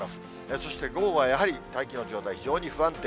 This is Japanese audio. そして午後はやはり大気の状態、非常に不安定。